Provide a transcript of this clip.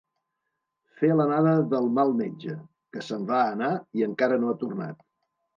Fer l'anada del mal metge: que se'n va anar i encara no ha tornat.